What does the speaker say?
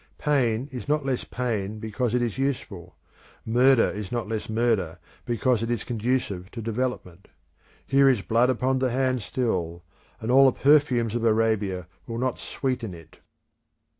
Pain is not less pain because it is useful; murder is not less murder because it is conducive to development. Here is blood upon the hand still, and all the perfumes of Arabia will not sweeten it.